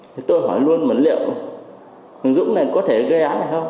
thì tôi hỏi luôn mà liệu hình dũng này có thể gây án này không